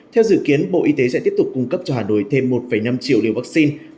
theo dự kiến bộ y tế sẽ tiếp tục cung cấp cho hà nội thêm một năm triệu liều vaccine